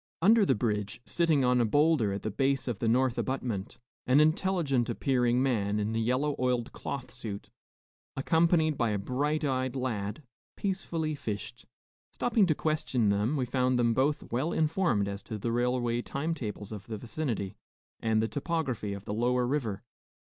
Under the bridge, sitting on a bowlder at the base of the north abutment, an intelligent appearing man in a yellow oiled cloth suit, accompanied by a bright eyed lad, peacefully fished. Stopping to question them, we found them both well informed as to the railway time tables of the vicinity and the topography of the lower river.